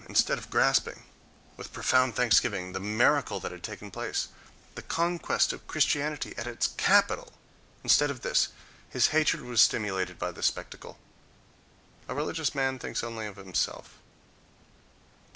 Instead of grasping, with profound thanksgiving, the miracle that had taken place: the conquest of Christianity at its capital—instead of this, his hatred was stimulated by the spectacle. A religious man thinks only of himself.